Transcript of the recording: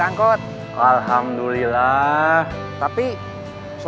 jangan membuat shakt druck